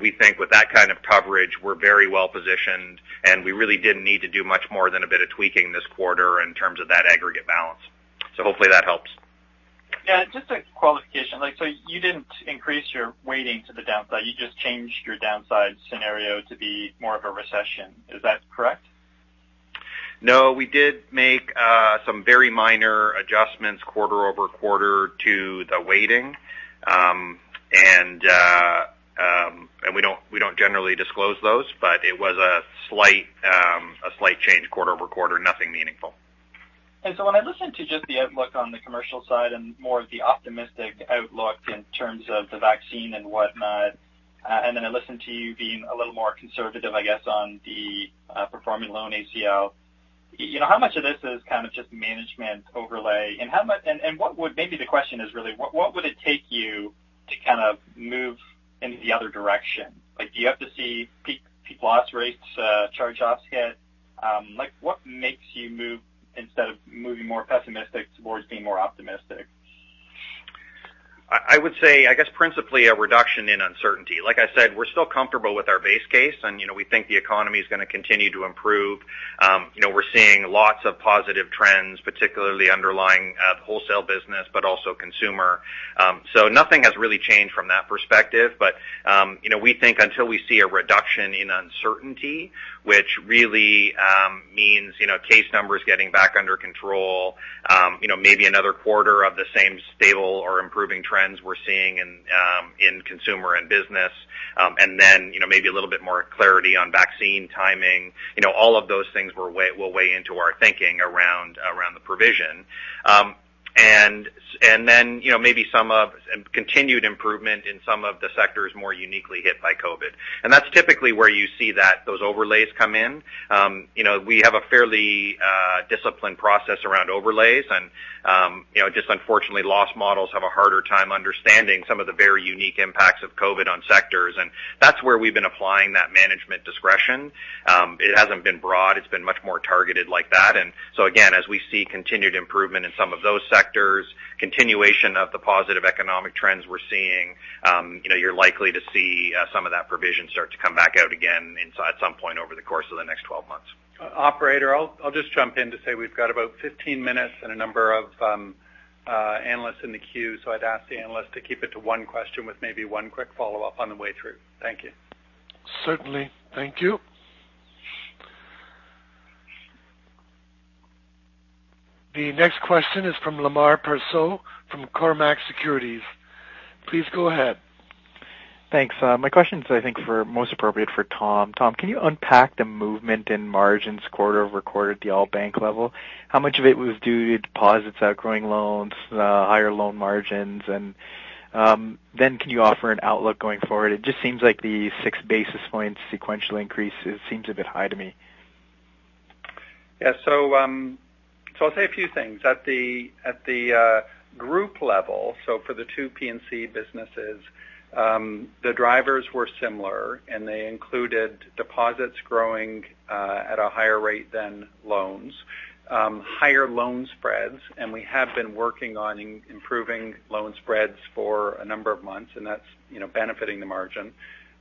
We think with that kind of coverage, we're very well-positioned, and we really didn't need to do much more than a bit of tweaking this quarter in terms of that aggregate balance. Hopefully that helps. Yeah, just a qualification. You didn't increase your weighting to the downside, you just changed your downside scenario to be more of a recession. Is that correct? No, we did make some very minor adjustments quarter-over-quarter to the weighting. We don't generally disclose those, but it was a slight change quarter-over-quarter, nothing meaningful. When I listen to just the outlook on the commercial side and more of the optimistic outlook in terms of the vaccine and whatnot, and then I listen to you being a little more conservative, I guess, on the performing loan ACL, how much of this is kind of just management overlay? Maybe the question is really, what would it take you to kind of move in the other direction? Do you have to see peak loss rates, charge-offs hit? What makes you move instead of moving more pessimistic towards being more optimistic? I would say, I guess principally a reduction in uncertainty. Like I said, we're still comfortable with our base case, and we think the economy's going to continue to improve. We're seeing lots of positive trends, particularly underlying the wholesale business, but also consumer. Nothing has really changed from that perspective. We think until we see a reduction in uncertainty, which really means case numbers getting back under control, maybe another quarter of the same stable or improving trends we're seeing in consumer and business. Maybe a little bit more clarity on vaccine timing. All of those things will weigh into our thinking around the provision. Maybe some of continued improvement in some of the sectors more uniquely hit by COVID. That's typically where you see that those overlays come in. We have a fairly disciplined process around overlays and just unfortunately, loss models have a harder time understanding some of the very unique impacts of COVID on sectors, and that's where we've been applying that management discretion. It hasn't been broad. It's been much more targeted like that. Again, as we see continued improvement in some of those sectors, continuation of the positive economic trends we're seeing, you're likely to see some of that provision start to come back out again at some point over the course of the next 12 months. Operator, I'll just jump in to say we've got about 15 minutes and a number of analysts in the queue, so I'd ask the analyst to keep it to one question with maybe one quick follow-up on the way through. Thank you. Certainly. Thank you. The next question is from Lemar Persaud from Cormark Securities. Please go ahead. Thanks. My question is, I think most appropriate for Tom. Tom, can you unpack the movement in margins quarter-over-quarter at the all-bank level? How much of it was due to deposits outgrowing loans, higher loan margins, and then can you offer an outlook going forward? It just seems like the six basis points sequential increase seems a bit high to me. I'll say a few things. At the group level, so for the two P&C businesses, the drivers were similar, and they included deposits growing at a higher rate than loans, higher loan spreads, and we have been working on improving loan spreads for a number of months, and that's benefiting the margin.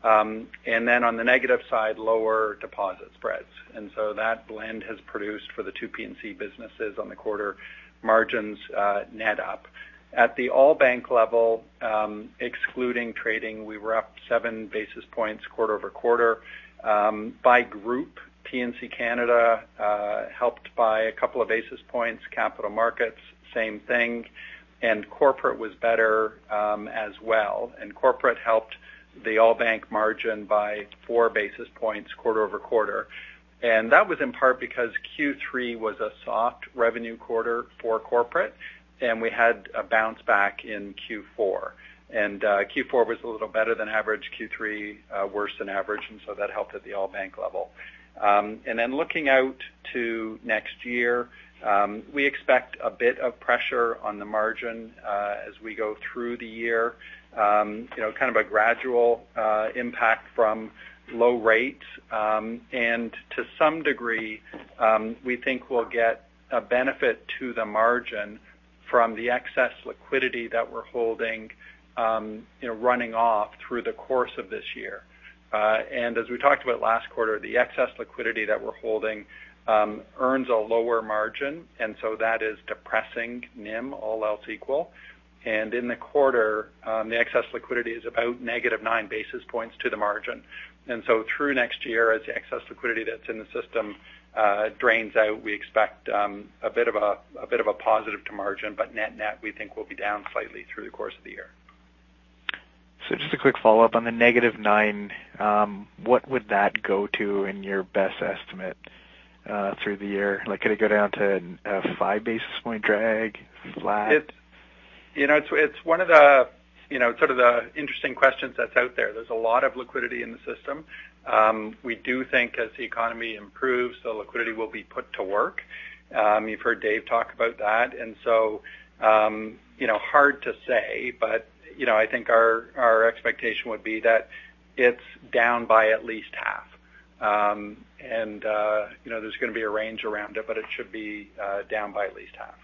On the negative side, lower deposit spreads. That blend has produced for the two P&C businesses on the quarter margins net up. At the all bank level, excluding trading, we were up seven basis points quarter-over-quarter. By group, Canadian P&C helped by a couple of basis points. Capital Markets, same thing, corporate was better as well. Corporate helped the all bank margin by four basis points quarter-over-quarter. That was in part because Q3 was a soft revenue quarter for corporate, and we had a bounce back in Q4. Q4 was a little better than average, Q3 worse than average, and so that helped at the all bank level. Then looking out to next year, we expect a bit of pressure on the margin as we go through the year. Kind of a gradual impact from low rates. To some degree, we think we'll get a benefit to the margin from the excess liquidity that we're holding running off through the course of this year. As we talked about last quarter, the excess liquidity that we're holding earns a lower margin. That is depressing NIM all else equal. In the quarter, the excess liquidity is about negative nine basis points to the margin. Through next year, as the excess liquidity that's in the system drains out, we expect a bit of a positive to margin, but net we think will be down slightly through the course of the year. Just a quick follow-up on the negative nine. What would that go to in your best estimate through the year? Could it go down to a five basis point drag, flat? It's one of the interesting questions that's out there. There's a lot of liquidity in the system. We do think as the economy improves, the liquidity will be put to work. You've heard Dave talk about that, hard to say, but I think our expectation would be that it's down by at least half. There's going to be a range around it, but it should be down by at least half.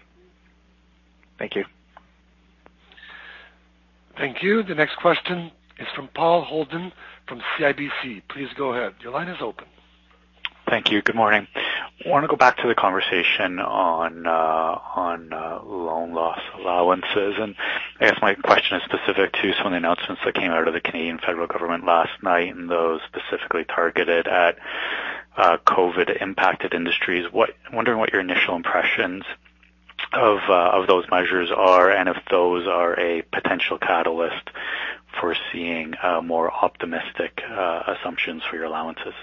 Thank you. Thank you. The next question is from Paul Holden from CIBC. Please go ahead. Your line is open. Thank you. Good morning. I want to go back to the conversation on loan loss allowances, and I guess my question is specific to some of the announcements that came out of the Canadian federal government last night and those specifically targeted at COVID-19 impacted industries. Wondering what your initial impressions of those measures are, and if those are a potential catalyst for seeing more optimistic assumptions for your allowances.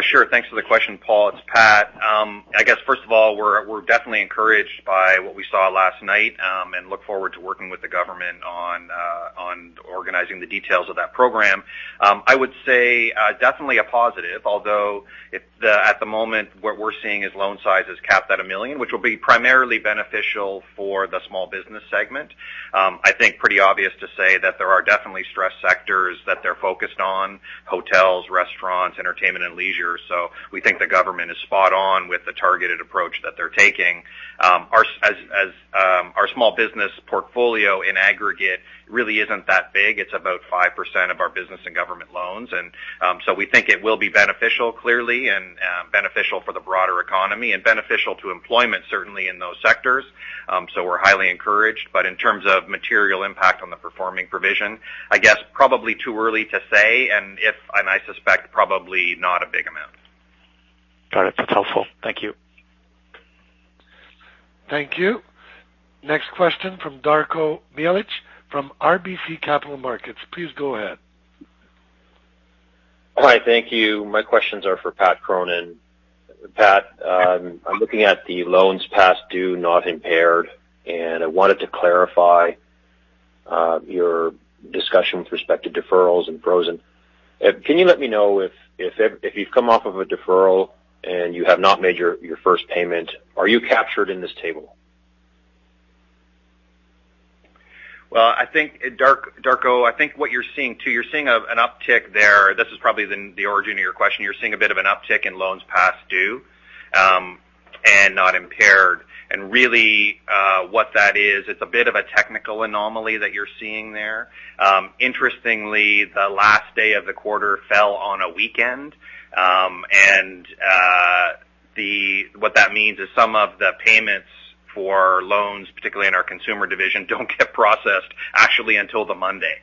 Sure. Thanks for the question, Paul. It's Pat. I guess first of all, we're definitely encouraged by what we saw last night, and look forward to working with the government on organizing the details of that program. I would say, definitely a positive, although at the moment what we're seeing is loan sizes capped at 1 million, which will be primarily beneficial for the small business segment. I think pretty obvious to say that there are definitely stress sectors that they're focused on, hotels, restaurants, entertainment and leisure. We think the government is spot on with the targeted approach that they're taking. As our small business portfolio in aggregate really isn't that big. It's about 5% of our business in government loans. We think it will be beneficial, clearly, and beneficial for the broader economy, and beneficial to employment, certainly in those sectors. We're highly encouraged. In terms of material impact on the performing provision, I guess, probably too early to say, and I suspect probably not a big amount. Got it. That's helpful. Thank you. Thank you. Next question from Darko Mihelic from RBC Capital Markets. Please go ahead. Hi, thank you. My questions are for Pat Cronin. Pat, I'm looking at the loans past due, not impaired, and I wanted to clarify your discussion with respect to deferrals and frozen. Can you let me know if you've come off of a deferral and you have not made your first payment, are you captured in this table? Well, Darko, I think what you're seeing too, you're seeing an uptick there. This is probably the origin of your question. You're seeing a bit of an uptick in loans past due, and not impaired. Really what that is, it's a bit of a technical anomaly that you're seeing there. Interestingly, the last day of the quarter fell on a weekend. What that means is some of the payments for loans, particularly in our consumer division, don't get processed actually until the Monday.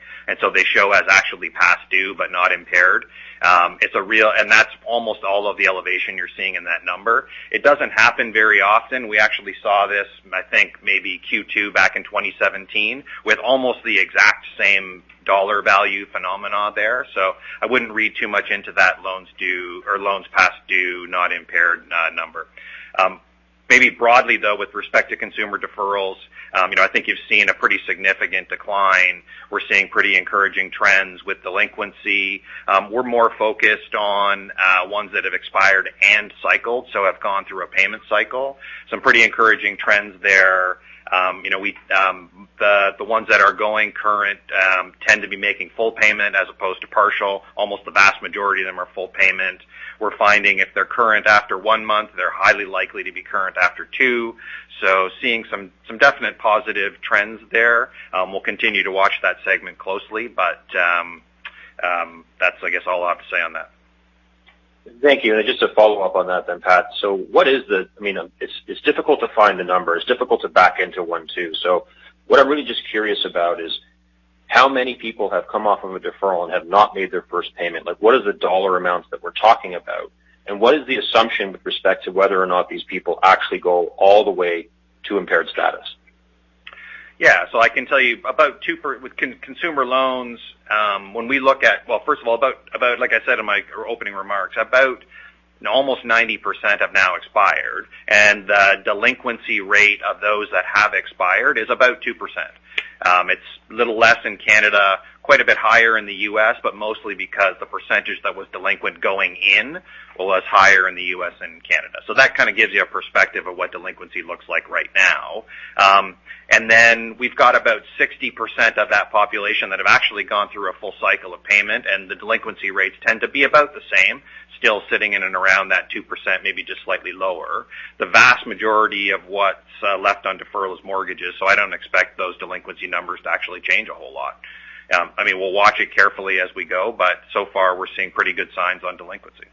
They show as actually past due, but not impaired. That's almost all of the elevation you're seeing in that number. It doesn't happen very often. We actually saw this, I think maybe Q2 back in 2017 with almost the exact same dollar value phenomena there. I wouldn't read too much into that loans due or loans past due, not impaired number. Maybe broadly, though, with respect to consumer deferrals, I think you've seen a pretty significant decline. We're seeing pretty encouraging trends with delinquency. We're more focused on ones that have expired and cycled, so have gone through a payment cycle. Some pretty encouraging trends there. The ones that are going current tend to be making full payment as opposed to partial. Almost the vast majority of them are full payment. We're finding if they're current after one month, they're highly likely to be current after two. Seeing some definite positive trends there. We'll continue to watch that segment closely, but that's all I have to say on that. Thank you. Just to follow up on that then, Pat, it's difficult to find the number. It's difficult to back into one too. What I'm really just curious about is how many people have come off of a deferral and have not made their first payment? What is the dollar amounts that we're talking about? What is the assumption with respect to whether or not these people actually go all the way to impaired status? Yeah. I can tell you with consumer loans, first of all, like I said in my opening remarks, about almost 90% have now expired, and the delinquency rate of those that have expired is about 2%. It's a little less in Canada, quite a bit higher in the U.S., but mostly because the percentage that was delinquent going in was higher in the U.S. than Canada. That kind of gives you a perspective of what delinquency looks like right now. Then we've got about 60% of that population that have actually gone through a full cycle of payment, and the delinquency rates tend to be about the same, still sitting in and around that 2%, maybe just slightly lower. The vast majority of what's left on deferral is mortgages, so I don't expect those delinquency numbers to actually change a whole lot. We'll watch it carefully as we go, but so far, we're seeing pretty good signs on delinquency.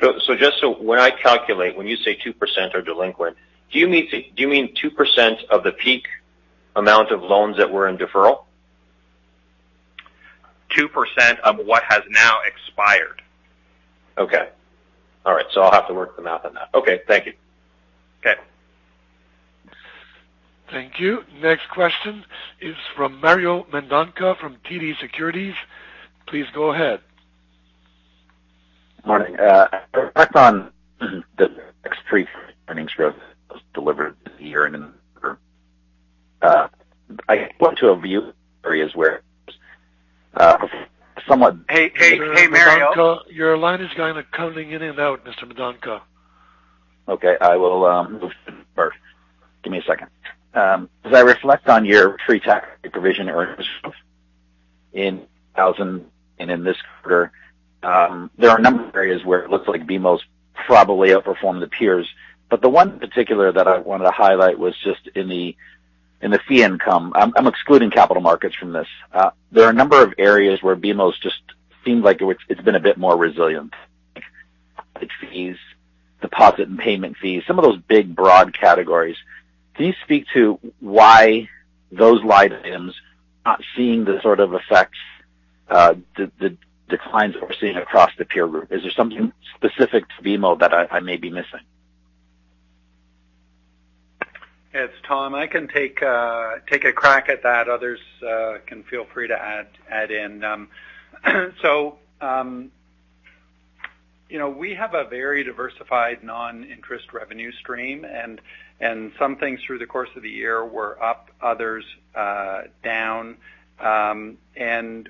When I calculate, when you say 2% are delinquent, do you mean 2% of the peak amount of loans that were in deferral? 2% of what has now expired. Okay. All right. I'll have to work the math on that. Okay. Thank you. Okay. Thank you. Next question is from Mario Mendonca from TD Securities. Please go ahead. Morning. Back on the earnings growth that was delivered this year and in the quarter. I want to view areas where. Hey, Mario. Mario, your line is kind of coming in and out, Mr. Mendonca. Okay, I will move to the board. Give me a second. As I reflect on your pre-tax provision earnings in and in this quarter, there are a number of areas where it looks like BMO's probably outperformed the peers. The one particular that I wanted to highlight was just in the fee income. I'm excluding Capital Markets from this. There are a number of areas where BMO's just seems like it's been a bit more resilient. Like fees, deposit and payment fees, some of those big, broad categories. Can you speak to why those line items not seeing the sort of effects, the declines that we're seeing across the peer group? Is there something specific to BMO that I may be missing? It's Tom. I can take a crack at that. Others can feel free to add in. We have a very diversified non-interest revenue stream. Some things through the course of the year were up, others down. When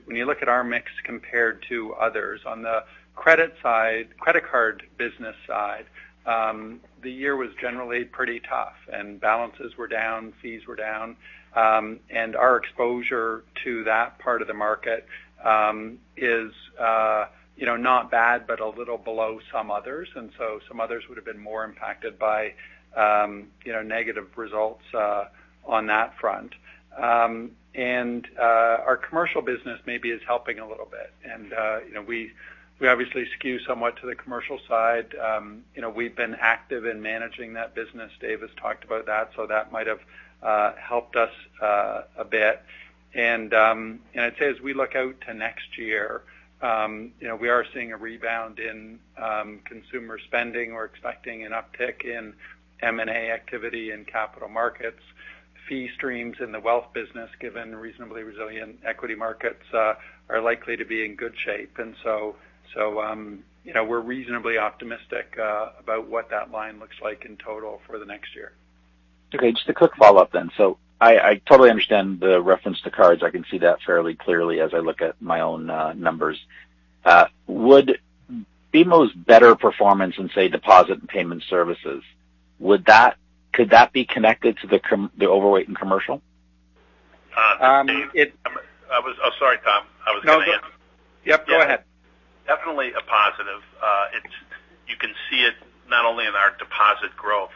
you look at our mix compared to others on the credit card business side, the year was generally pretty tough. Balances were down, fees were down. Our exposure to that part of the market is not bad, but a little below some others. Some others would have been more impacted by negative results on that front. Our commercial business maybe is helping a little bit. We obviously skew somewhat to the commercial side. We've been active in managing that business. Dave has talked about that. That might have helped us a bit. I'd say as we look out to next year, we are seeing a rebound in consumer spending. We're expecting an uptick in M&A activity in capital markets. Fee streams in the wealth business, given reasonably resilient equity markets, are likely to be in good shape. We're reasonably optimistic about what that line looks like in total for the next year. Just a quick follow-up. I totally understand the reference to cards. I can see that fairly clearly as I look at my own numbers. Would BMO's better performance in, say, deposit and payment services, could that be connected to the overweight in commercial? Dave, Oh, sorry, Tom. No. Yep, go ahead. Definitely a positive. You can see it not only in our deposit growth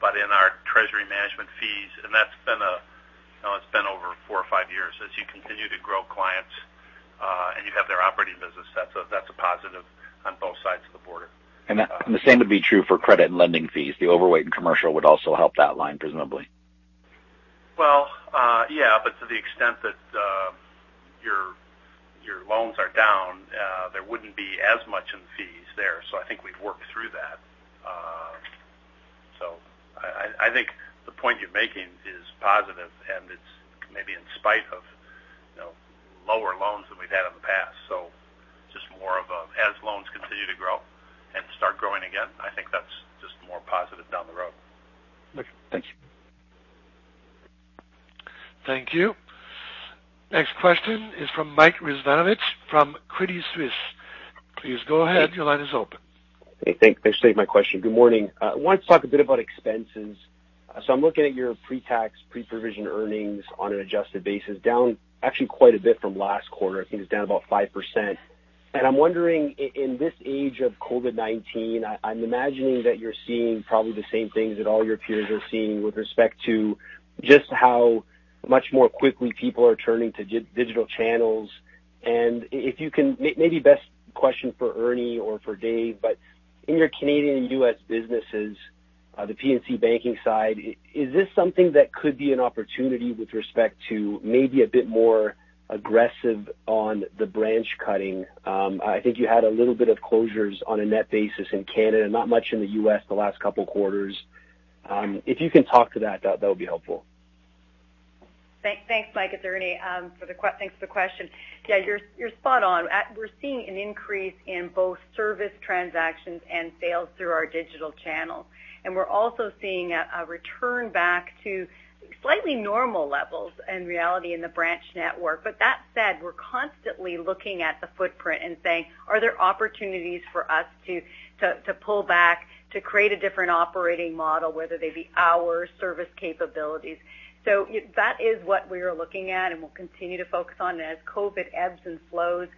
but in our treasury management fees, and that's been over four or five years. As you continue to grow clients, and you have their operating business, that's a positive on both sides of the border. The same would be true for credit and lending fees. The overweight in commercial would also help that line, presumably. Well, yeah, to the extent that your loans are down, there wouldn't be as much in fees there. I think we'd work through that. I think the point you're making is positive, and it's maybe in spite of lower loans than we've had in the past. Just more of a as loans continue to grow and start growing again, I think that's just more positive down the road. Okay. Thank you. Thank you. Next question is from Mike Rizvanovic from Credit Suisse. Please go ahead. Your line is open. Hey, thanks. They saved my question. Good morning. I wanted to talk a bit about expenses. I'm looking at your pre-tax, pre-provision earnings on an adjusted basis, down actually quite a bit from last quarter. I think it's down about 5%. I'm wondering, in this age of COVID-19, I'm imagining that you're seeing probably the same things that all your peers are seeing with respect to just how much more quickly people are turning to digital channels. If you can, maybe best question for Ernie or for Dave, but in your Canadian and U.S. businesses, the P&C banking side, is this something that could be an opportunity with respect to maybe a bit more aggressive on the branch cutting? I think you had a little bit of closures on a net basis in Canada, not much in the U.S. the last couple of quarters. If you can talk to that would be helpful. Thanks, Mike. It's Ernie. Thanks for the question. Yeah, you're spot on. We're seeing an increase in both service transactions and sales through our digital channels. We're also seeing a return back to slightly normal levels in reality in the branch network. That said, we're constantly looking at the footprint and saying, are there opportunities for us to pull back, to create a different operating model, whether they be hours, service capabilities? That is what we are looking at, and we'll continue to focus on as COVID ebbs and flows.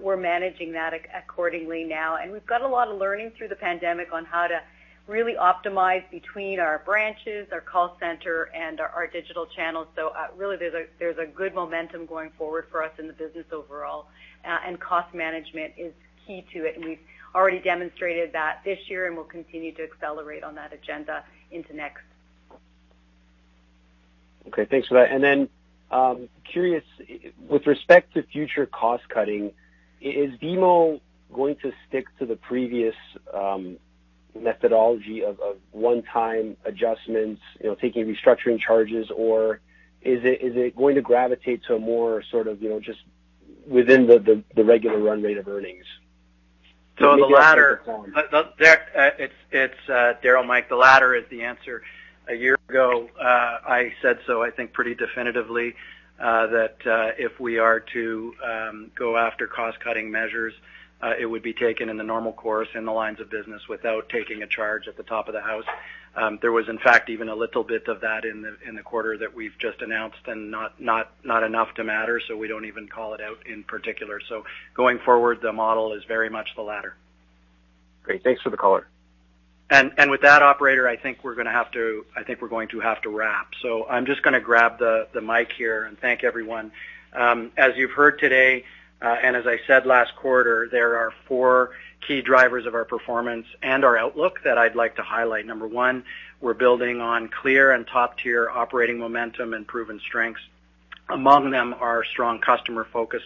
We're managing that accordingly now. We've got a lot of learning through the pandemic on how to really optimize between our branches, our call center, and our digital channels. Really there's a good momentum going forward for us in the business overall, and cost management is key to it. We've already demonstrated that this year, and we'll continue to accelerate on that agenda into next. Okay, thanks for that. Curious, with respect to future cost-cutting, is BMO going to stick to the previous methodology of one-time adjustments, taking restructuring charges, or is it going to gravitate to a more sort of just within the regular run rate of earnings? The latter. It's Darryl, Mike. The latter is the answer. A year ago, I said so I think pretty definitively that if we are to go after cost-cutting measures it would be taken in the normal course in the lines of business without taking a charge at the top of the house. There was, in fact, even a little bit of that in the quarter that we've just announced, and not enough to matter, so we don't even call it out in particular. Going forward, the model is very much the latter. Great. Thanks for the color. With that, operator, I think we're going to have to wrap. I'm just going to grab the mic here and thank everyone. As you've heard today, and as I said last quarter, there are four key drivers of our performance and our outlook that I'd like to highlight. Number one, we're building on clear and top-tier operating momentum and proven strengths. Among them are strong customer focus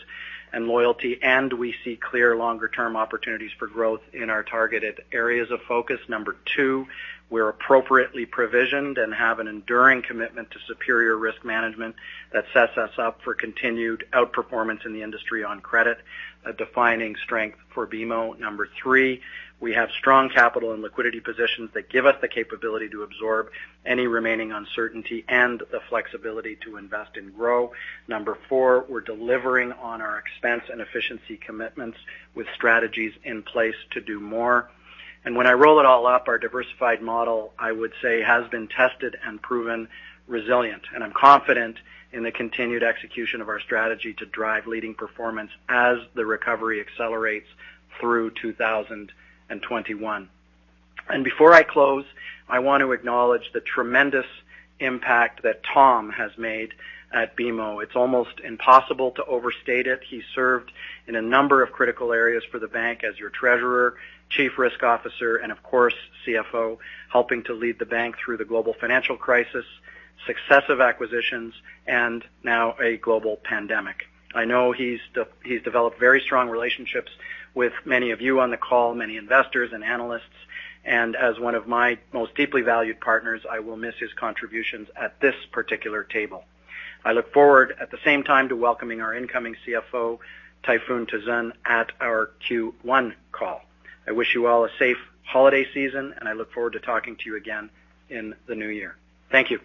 and loyalty, and we see clear longer-term opportunities for growth in our targeted areas of focus. Number two, we're appropriately provisioned and have an enduring commitment to superior risk management that sets us up for continued outperformance in the industry on credit, a defining strength for BMO. Number three, we have strong capital and liquidity positions that give us the capability to absorb any remaining uncertainty and the flexibility to invest and grow. Number four, we're delivering on our expense and efficiency commitments with strategies in place to do more. When I roll it all up, our diversified model, I would say, has been tested and proven resilient. I'm confident in the continued execution of our strategy to drive leading performance as the recovery accelerates through 2021. Before I close, I want to acknowledge the tremendous impact that Tom has made at BMO. It's almost impossible to overstate it. He served in a number of critical areas for the bank as your Treasurer, Chief Risk Officer, and of course, CFO, helping to lead the bank through the global financial crisis, successive acquisitions, and now a global pandemic. I know he's developed very strong relationships with many of you on the call, many investors and analysts. As one of my most deeply valued partners, I will miss his contributions at this particular table. I look forward, at the same time, to welcoming our incoming CFO, Tayfun Tuzun, at our Q1 call. I wish you all a safe holiday season. I look forward to talking to you again in the new year. Thank you.